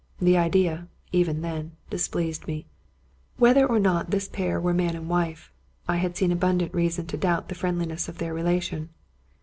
The idea, even then, displeased me. Whether or not this pair were man and wife, I had seen abundant reason to doubt the friendliness of their relation.